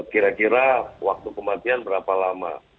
kira kira waktu kematian berapa lama